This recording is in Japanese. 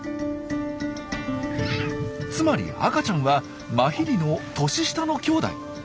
つまり赤ちゃんはマヒリの年下のきょうだい。